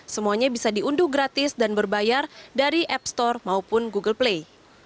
semuanya bisa diunduh gratis dan berbayar dari app store maupun google play